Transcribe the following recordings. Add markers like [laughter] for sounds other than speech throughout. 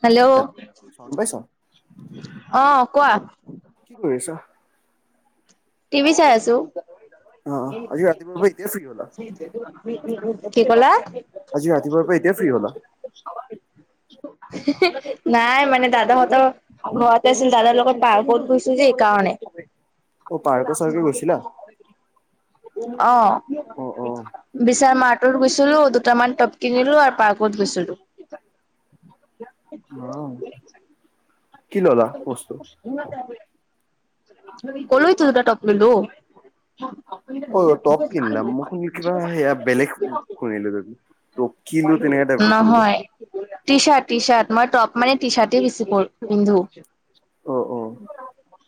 Hello হেল sound পাইছা? আহ কোৱা? কি কৰিছা? টিভি চাই আছো। অ আজি ৰাতিপা'পা এতিয়া ফ্ৰী হলা? [unintelligible] কি ক'লা? আজি ৰাতিপুৱাৰ পৰা এতিয়া ফ্ৰী হলা? নাই মানে দাদাহঁত ঘৰতে আছিল দাদাৰ লগত পাৰ্কত গৈছিলো যে সেইকাৰণে। অ' পাৰ্কে চাৰ্কে গৈছিলা? আহ। অ' অ' বিশচাৰ মাৰটত গৈছিলো, দুটামান টপ কিনিলো আৰু পাৰ্কত গৈছিলো। অ কি ললা বস্তু? [unintelligible] কলৈটো দুটা ট'প ললো। [unintelligible] অ অ টপ কিনিলাম মই শুন কিবা সেয়া বেলেগ শুনিলো যদি ত কিলো তেনেকা টাইপ সোনিলো। নহয় টি চাৰ্ট, টি চাৰ্ট, মই টপ মানে টি চাৰ্ট পিন্ধো। অ' অ' [unintelligible]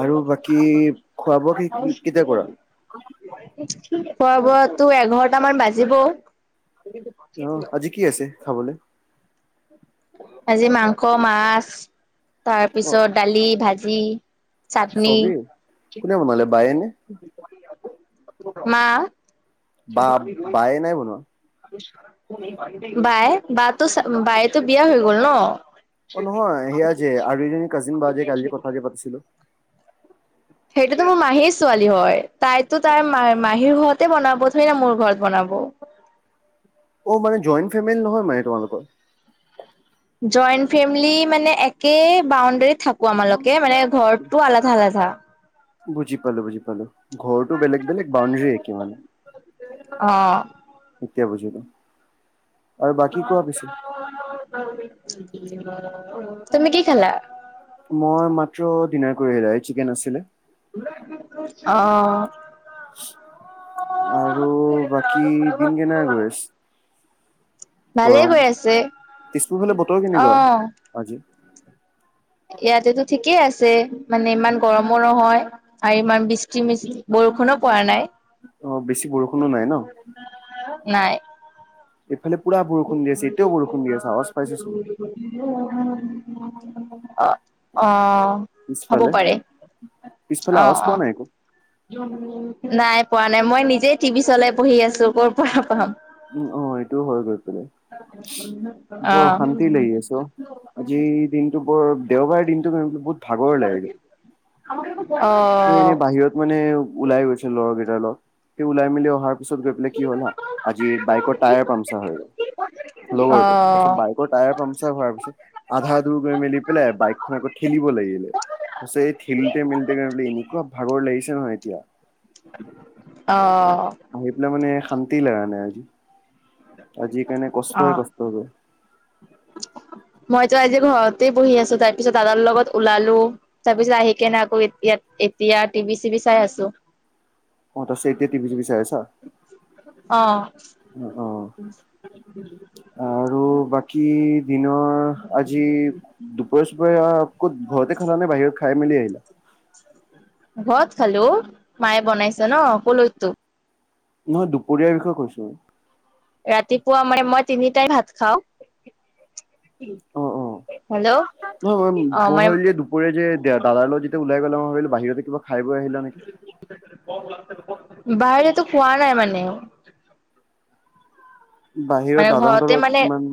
আৰু বাকী খোৱা বোৱা কি কেতিয়া কৰা? খোৱা বোৱা তো এঘাৰটামান বাজিবও। অ আজি কি আছে খাবলে? আজি মাংস, মাছ তাৰপিছত দালি, ভাজি। চাটনি চবি কোনে বনালে বায়েনে? মা বা [unintelligible] বায়ে নাই বনোৱা? বায়ে বাতো বায়েতো বিয়া হৈ গল ন। অ নহয় সেয়া যে আৰু জনী কাজিন বা যে কালি যে কথা যে পাতিছিলো। সেইটোতো মোৰ মাহীৰ ছোৱালী হয়, তাইতো তাইৰ মা মাহীৰ ঘৰতহে বনাব থৰেনা মোৰ ঘৰত বনাব। অ মানে জইণ্ট ফেমিল নহয় মানে তোমালোকৰ? জইণ্ট ফেম'লি মানে একে বাউণ্ডাৰী থাক- আমালকে মানে ঘৰটো আলধা আলধা। বুজি পালো, বুজি পালো। ঘৰটো বেলেগ বেলেগ বাউণ্ডাৰী একে মানে। অ', এতিয়া বুজিলো আৰু বাকী কোৱা পিছে [unintelligible] তুমি কি খালা? মই মাত্ৰ দিনাৰ কৰি আহিলা ৰাইট চিকেন আছিলে। [unintelligible] অ আৰু বাকী দিন কেনে গৈছ- ভালেই গৰম গৈ আছে। তেজপুৰ ফালে বতৰ কেনেকুৱা অ'। আজি? ইয়াতেতো ঠিকেই আছে, মানে ইমান গৰমো নহয়। আৰু ইমান বিষ্টি মিষ্টি বৰষুণো পৰা নাই। অ বেছি বৰষুণো নাই ন। নাই। এইফালে পুৰা বৰষুণ দি আছে এতিয়াও বৰষুণ দি আছে আৱাজ পাইছা চোন। [unintelligible] অ অ হব পিছফালে পাৰে, পিছফালে অ আৱাজ অ। পোৱা নাই একো নাই পোৱা নাই মই নিজেই টিভি চলাই পঢ়ি আছো ক'ৰ পৰা পঢ়াম। উম অ এইটোও হয় গৈ পেলাই। বৰ অশান্তি লাগি গৈছে অ আজি। দিনটো বৰ দেওবাৰৰ দিনটো বহুত ভাগৰ লাগেগৈ। অ'। এ এনে অ'। বাহিৰত মানে ওলাই গৈছ- সে ল'ৰা কেইটাৰ লগ সেই ওলাই মেলি অহাৰ পিছত অ গৈ পেলাই কি হ'ল হা যি অ বাইকৰ টায়াৰ পামচা হৈ গ'ল। লগৰটোৰ তা পাছত বা- বাইকৰ টায়াৰ পামচাৰ হোৱাৰ পিছত আধা দূৰ গৈ মেলি পেলাই বাইকখন আকৌ ঠেলিব লাগিলে। পাছে থিলোটে মিলোটে কাৰোতেই বুলি এনেকুৱা ভাগৰ লাগিছে নহয় এতিয়া। অ। আহি পেলাই মানে শান্তি লাগা নাই আজি। আজি কাৰণে অ কষ্টই কষ্ট যে। মইতো আজি ঘৰতে বহি আছো তাৰ পিছত দাদাৰ লগত ওলালো। তাৰ পিছত আহি কেনে নাই আকৌ এতিয়া এতিয়া টিভি চিভি চাই আছো। অ' তাৰপিছত এতিয়া টিভি চিভি চায় আছা অ' অ অ। আৰু বাকী দিনৰ আজি দুপৰিয়া চুপৰীয়া। কত ঘৰতে খালা নে বাহিৰত খাই মেলি আহিলা। ঘৰত খালো মায়ে বনাইছে ন কলোৱেটো নহয় দুপৰীয়াৰ বিষয়ে কৈছো। ৰাতিপুৱা মানে মই তিনি টাইম ভাত খাওঁ অ হেল্ল অ' নহয় ম মই ভাবিলো যে দুপীয়া যে দাদা লগত যেতিয়া ওলাই গ'লে মই ভাবিলো বাহিৰতে কিবা খাই বৈ আহিলা নেকি? বাহিৰতো খোৱা নাই মানে। বাহিৰত মানে দাদাহঁতৰ ঘৰতে মানে লগত ইমান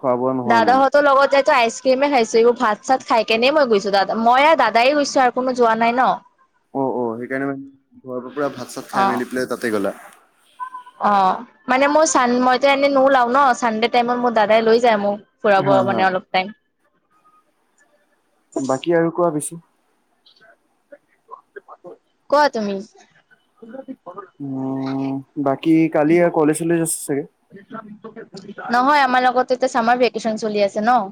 খোৱা বোৱা নহয় মানে ত লগত যাই তো আইচ ক্ৰীমে খাইছো এইবোৰ ভাত চাত খাই কেনে মই গৈছো দা মই আৰু দাদাই গৈছো আৰু। কোনো যোৱা নাই ন' অ -অ সেইকাৰণে মানে ঘৰৰ পৰা পুৰা ভাত চাত অ খাই মেলি পেলাই তাতে গ'লা। অ' মানে মই চান মইতো এনেই নো ওলাও ন চানডে টাইমত মোৰ দাদাই লৈ যায় মোক। ফুৰাব হা হা মানে অলপ টাইম। বাকী আৰু কোৱা বেছি [inaudible] কোৱা তুমি। [unintelligible] উম বাকি কালি আৰু কলেজ চলেজ আছে চাগে? নহয় আমাৰ লগতে এতিয়া চামাৰ ভেকেচন চলি আছে ন'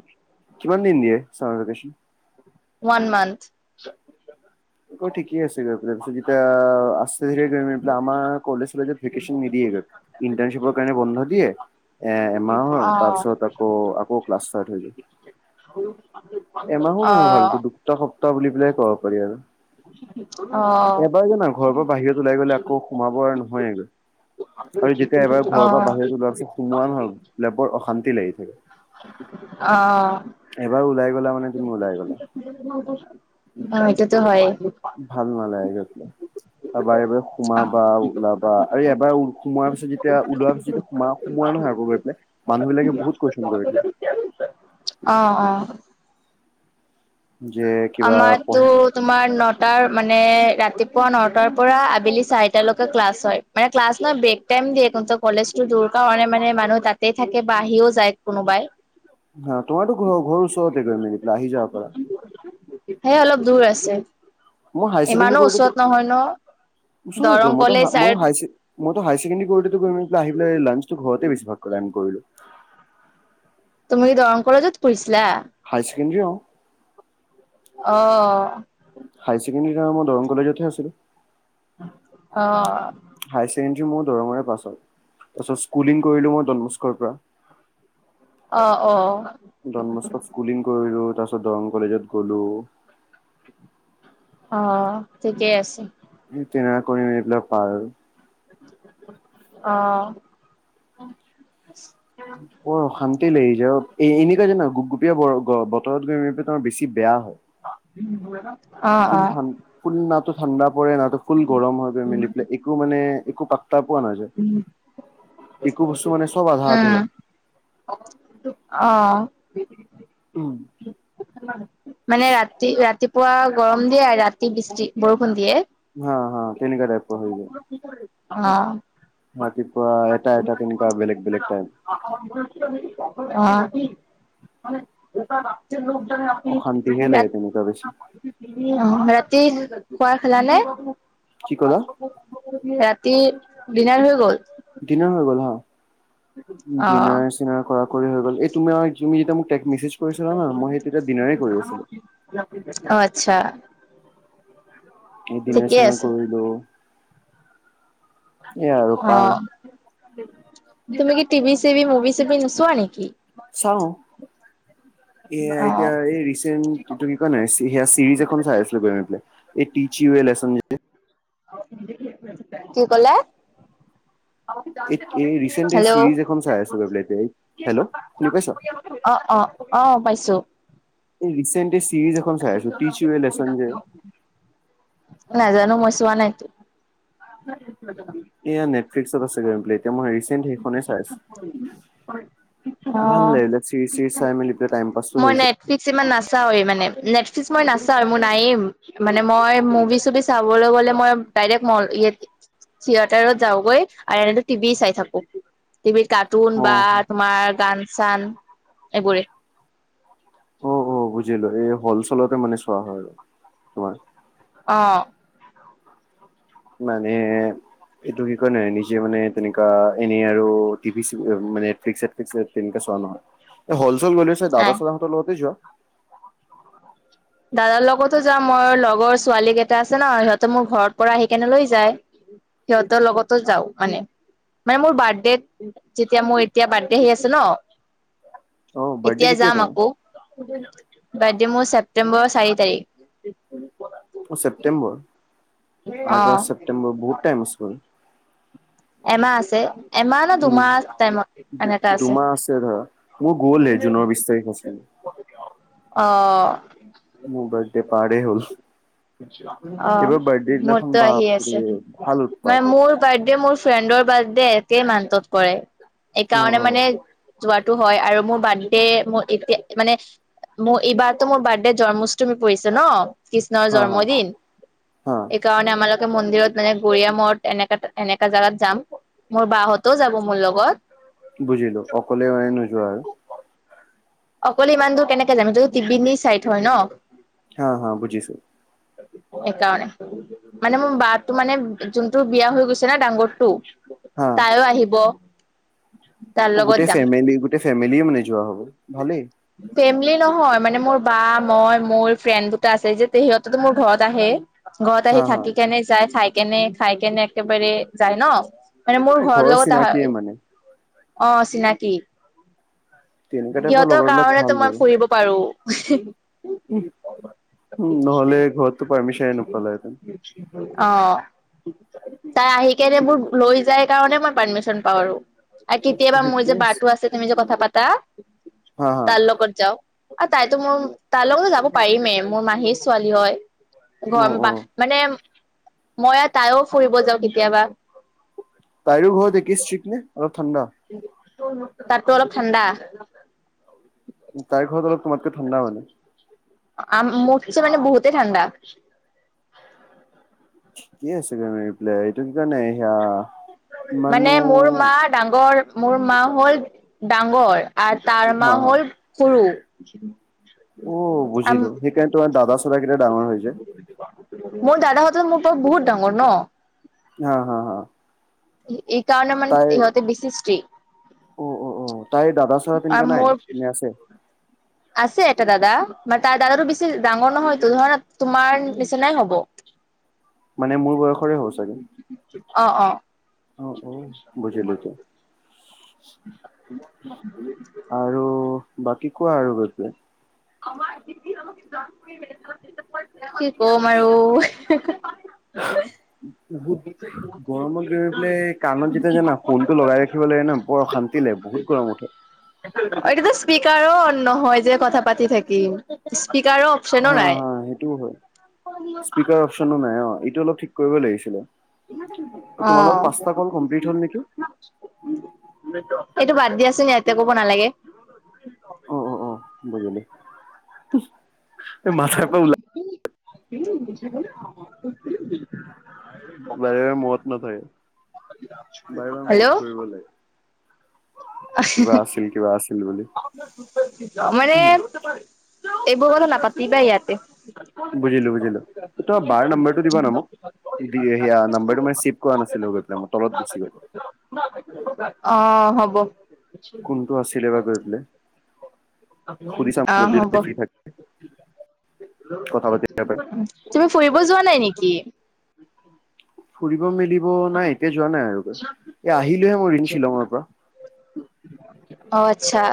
কিমান দিন দিয়ে চামাৰ ভেকেচন। [unintelligible] One month. ঠিকেই আছে গৈ তাৰ পিছত যেতিয়া আছে ধ গৈ আমাৰ কলেজলে ভেকেশ্যচন নিদিয়ে গৈ। ইণ্টাৰ্শিপৰ কাৰণে বন্ধ দিয়ে। এ এমাহৰ তাৰ পিছত আকৌ আকৌ ষ্টাৰ্ট হৈ যায়। অ' দুগ সপ্তাহ বুলি পেলাই ক'ব পাৰি আৰু। অ' এবাৰ জানা ঘৰৰ পৰা বাহিৰত ওলাই গ'লে আকৌ সোমাব আৰু নহয়েগৈ। অ অ আৰু যেতিয়া এবাৰ ঘৰ পৰা বাহিৰত ওলোৱা আছ সোমোৱা নহয় বোলে বৰ অশান্তি লাগি থাকে। অ' এবাৰ ওলাই গ'লা মানে তুমি ওলাই'গলা। হয় ভাল নালাগে গৈছিল। বাৰে বাৰে সোমাবা বা ওলাবা আৰু এবাৰ সোমোৱাৰ পিছত যেতিয়া ওলোৱা পিছত যেতিয়া সোমাৱা সোমোৱা নহয় আকৌ গৈ পেলাই। মানুহ বিলাকে বহুত কোৱেশন কৰে এতিয়া [unintelligible] অ' অ' থাকে যে কিবা আমাৰ তো। পঢ়া তোমাৰ নটাৰ মানে ৰাতিপুৱা নটাৰ পৰা আবেলি চাৰিটালৈকে ক্লাছ হয়। মানে ক্লাছ নহয় ব্ৰেক টাইম দিয়ে কিন্তু কলেজটো দূৰ কাৰণে মানে মানুহ তাতে থাকে বা আহিও যায় কোনোবাই। হা তোমাৰো ঘৰ ওচৰতে গৈ মেলি [unintelligible] ত আহি যাব পাৰা এই অলপ দূৰ আছে। মই হায়াৰ ছেকেণ্ডেৰী ইমানো কৰোঁতে ওচৰত নহয় ন ওচৰতে দৰং মইতো কলেজ মইতো আৰ হাই মইতো হাই ছেকেডেৰী কৰোটেতো কৰিম আহি পেলাই ঘৰতে বেছভাগ লান্সটো কৰিলো [unintelligible] তুমি দৰং কলেজত পৰিছিলা? হাই ছেকেণ্ডী অ [unintelligible] অ'। হাই ছেকেণ্ডেৰী টাইমত দৰং কলেজতহে আছিলো। অ'। হাই ছেকেণ্ডেৰী মোৰ দৰংৰে পাছ হয়, তাৰছত স্কুলিং কৰিলো মই ডনবক্সৰ পৰা। আ', অ'। ডনবক্সত স্কুলিং কৰিলো, তাৰছত দৰং কলেজত গলো। অ', ঠিকেই আছে। তেনে কৰিম এইবিলাক পাৰ অ'। বৰ অশান্তি লাগি যায় আৰু এ-এনেকুৱা জানা গুপ-গুপিয়া বৰ গৰ বতৰত গ তমাৰ বেছি বেয়া হয়। অ', ফুল অ'। ঠান ফুল নাতো ঠাণ্ডা পৰে, নাতো ফুল গৰম হৈ পৰে মেলি পেলাই, একো মানে একো পাত তা পোৱা নাযায়। ইকো বস্তু মানে চব আধা উম, আধুৰা। [unintelligible] অ'। [unintelligible] উম। মানে ৰাতি-ৰাতিপুৱা গৰম দিয়ে, ৰাতি বৃষ্টি বৰষুণ দিয়ে। হা, হা, তেনেকা টাইপৰ হৈ গ'ল। অ'। ৰাতিপুৱা এটা এটা তেনেকুৱা বেলেগ বেলেগ টাইম। [unintelligible] অ'। [unintelligible] [unintelligible] অশান্তিহে লাগে তেনেকুৱা বেছি। ৰাতি খোৱা খালা নে? কি ক'লা? ৰাতি, ডিনাৰ হৈ গ'ল? ডিনাৰ হৈ গ'ল, হা। অ'। ডিনাৰ-চিনাৰ কৰা-কৰি হৈ গ'ল, এই তোমাৰ তুমি যেতিয়া মোক তেক মেছেজ কৰিছা না মই তেতিয়া ডিনাৰে কৰি আছিলো। অ', আচ্ছা। এই ঠিকেই ডিনাৰ-চিনাৰ আছে। কৰিলো। এয়া আৰু পাৰ অ', তুমি কি টিভি-চিভি মুভি-চুভি নুচোৱা নিকি? চাও, এয়া অ', এতিয়া এই ৰিচ চেন্ট, ইটো কি কয়? হে চিৰিজ এখন চাই আছিলো [unintelligible] এ টিচ ইও এক লোচন যে। [unintelligible] কি কলে? এই ৰিচেণ্ট এই হেল্ল'। চিৰিজ এখন চাই আছো গৈ পেলাই এতিয়া। হেল্ল' শুনি পাইছা? অ', অ', অ' পাইছো। এই ৰিচেণ্ট এই চিৰিজ এখন চাই আছো, টিচ ইও এ লেচন যে। নাজানো মই চোৱা নাই সেটো। এয়া নেটফ্লিক্স আছে [unintelligible] মই ৰিচেণ্ট সেইখনে চাইছো। ভাল অ'। লাগিলে এইবিলাক চিৰিজ চাই মেলি টাইম পাছটো মই হৈ যায়। নেটফ্লিক্স ইমান নাচাৱে মানে, নেটফ্লিক্স মই নাচাৱে মোৰ নাইয়ে। মানে মই মুভি-চুভি চাবলৈ গ'লে মই ডাইৰেক্ট ম ইতে থিয়েটাৰত যাওগৈ আৰু এনেতো টিভি চাই থাকো। টিভিত কাৰ্টুন অ বা তোমাৰ গান চান এইবোৰে। বুজিলোঁ এই হল চলতে মানে চোৱা হয় আৰু তোমাৰ। অ'। মানে এইটো কি কয় নে নিজে মানে তেনেকা এনে আৰু টিভি চি আ মানে নেটফ্লিক্স-চেটফ্লিক্স তেনেকা চোৱা নহয়। এ হল-চল গলে ছাগে নাই দাদা-চাদা হঁতৰ লগতে যোৱা? দাদাৰ লগতো যাওঁ, মই লগৰ ছোৱালী কেইটা আছে ন সিহঁতে মোৰ ঘৰত পৰা আহি কেনে লৈ যায়। সিহঁতৰ লগতো যাও মানে। মানে মোৰ বাৰ্থডেত যেতিয়া মোৰ এতিয়া বাৰ্থডে আহি আছে ন? অ বাৰ্থডে এতিয়া কেতিয়া যাম তোমাৰ? আকৌ, বাৰ্থডে মোৰ ছেপ্তেম্বৰৰ চাৰি তাৰিখ। ছেপটেম্বৰ? অ আগষ্ট, ছেপটেম্বৰ বহুত টাইম আছে চুন। এমাহ আছে এমাহ নে উম। দুমাহ টাইমত দু- এনেকা আছে। [unintelligible] হে জুনৰ বিশ তাৰিখ আছিলে। অ'। মোৰ বাৰ্থডে পাৰ্টি হ'ল। অ', এইবাৰ বাৰ্থডেৰ দিনাখন মোৰতো আহি আছে। বাপৰে ভাল উৎপাত মানে মোৰ বাৰ্থডে মোৰ ফ্ৰেণ্ডৰ বাৰ্থডে একে মানটত কৰে অ এইকাৰণে অ মানে যোৱাটো হয় আৰু মোৰ বাৰ্থডে মোৰ এতিয়া মানে মোৰ এইবাৰতো মোৰ বাৰ্থডে জন্মষ্টমী পৰিছে ন? কৃষ্ণৰ হা হা জন্মদিন। হা সেইকাৰণে আমালোকে মন্দিৰত মানে গ়য়া মত এনেকা-এনেকা জেগাত যাম। মোৰ বাহঁতও যাব মোৰ লগত। বুজিলোঁ, অকলে মানে নোযোৱা আৰু। অকলে ইমান দূৰ কেনেকে জাম, যুত টিপি [unintelligible] ছাইড হয় ন। অ', শ', বুজিছোঁ। এইকাৰণে। মানে মোৰ বাঁহটো মানে যোনটো বিয়া হৈ গৈছে না ডাঙৰটো হা। তাইও আহিব। তাৰ অ', লগত গোটেই যাম ফেমেলি- গোটেই ফেমেলি মানে যোৱা হ'ব, ভালেই। ফেমলি নহয় মানে মোৰ বা, মই, মোৰ ফ্ৰেণ্ড দুটা আছে যে সিহঁতেতো মোৰ ঘৰত আহে। ঘৰত হা আহি হা থাকি কেনে যায় খাই কেনে খাই কেনে একেবাৰে যায় ন? মানে মোৰ অ ঘৰ ঘৰৰ লগত টাহা চিনাকিয়ে মানে অ', চিনাকি। তেনেকুৱা টাইপৰ সিহঁতৰ লগৰ বিলাক ভাল কাৰণেতো মই বাৰু ফুৰিব পাৰোঁ। উম, নহ'লে ঘৰততো পাৰ্মিচনে নোপালাহেতেন। অ', তাই আহি কেনেবোৰ লৈ যাই কাৰণে মই পাৰ্মিচন আৰু-আৰু কেতিয়াবা মোৰ যে বাৰটো আছে তুমি যে কথা পাতা। হা হা তাৰ লগত যাওঁ আৰু তাইতো মোৰ, তাইৰ লগতটো যাব পাৰিমেই মোৰ মাহীৰ ছোৱালী হয়। অ অ [unintelligible] মানে মই আৰু তাইও ফুৰিব যাওঁ কেতিয়াবা। তাইৰো ঘৰত একে স্ত্ৰিক্ত নে অলপ ঠাণ্ডা? তাততো অলপ ঠাণ্ডা। তাইৰ ঘৰত অলপ তোমাতকে ঠাণ্ডা মানে? [unintelligible] মুটচে মানে বহুতে ঠাণ্ডা। কি আছে [unintelligible] সেয়া [unintelligible] দাংগৰ মোৰ মা হ'ল ডাঙৰ আৰু তাৰ মা হা হা হ'ল সৰু। অ', বুজিলোঁ, সেইকাৰণে তোমাৰ দাদা -চাদা কেইটা ডাঙৰ হৈ যে। মোৰ দাদাহঁতে তো মোৰ পৰা বহুত ডাঙৰ ন? হা-হা-হা। এই কাৰণে মানে ইহতে বেছি ষ্ট্ৰিক্ট। অ' অ' অ'! তাইৰ দাদা- চাদা আৰু তেনেকুৱা নাই মোৰ নে, আছে? আছে, এটা দাদা। মানে, তাৰ দাদাটো বেছি ডাঙৰ নহয়তো, ধৰা তোমাৰ নিচনাই হ'ব। মানে, মোৰ বয়সৰে হ'ব চাগে। অ'! অ'! অ', অ', বুজিলোঁ এতিয়া। [unintelligible] আৰু বাকী কোৱা আৰু [unintelligible] [unintelligible] কি কম আৰু [unintelligible] [inaudible] [unintelligible] গৰমত গৈ পেলাই, কাণত যেতিয়া, জানা! ফোন টো লগাই ৰাখিব লাগে ন'! বৰ অশান্তি লাগে, বহুত গৰম উঠে। এইটোতো, স্পীকাৰো নহয় যে, কথা পাতি থাকিম। স্পীকাৰ হা- হা! সেইটোও হয়। স্পীকাৰ অপচনো নাই, অ'! এইটো অলপ ঠিক কৰিব লাগিছিলে। [unintelligible] এই অ'! [unintelligible] তোমাৰ লগত [unintelligible] পাঁচটা কল কমপ্লিট হ'ল নেকি এইটো বাদ দিয়াচোন, ইয়াতে ক'ব নালাগে। বুজিলোঁ। [unintelligible] বাৰে -বাৰে [unintelligible] নাথাকে। বাৰে- বাৰে [unintelligible] হেল্ল' কৰিবলে। কিবা আছিল, কিবা আছি [unintelligible] মানে, এইবোৰ কথা নাপাতিবা, ইয়াতে। বুজিলোঁ -বুজিলোঁ। তোমাৰ বাৰ নাম্বাৰটো দিবা না মোক? [unintelligible] নাম্বাৰটো মানে, ছেভ কৰা নাছিলোঁ। গৈ পেলাই, তলত গুচি গ'ল। [unintelligible] অ'! হ'ব। কোনটো আছিলে বা গৈ পেলে। অ'! হ'ব। [unintelligible] কথা পাতি তুমি ফুৰিব যোৱা নাই নেকি? ফুৰিব মেলিব নাই, এতিয়া যোৱা নাই আৰু। এতিয়া আহিলোহে, মই শ্বিলঙৰ পৰা। অ'! আচ্ছা।